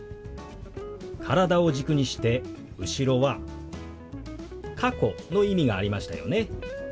体を軸にして後ろは「過去」の意味がありましたよね。